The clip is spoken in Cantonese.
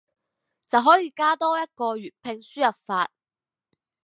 就可以加多一個粵拼輸入法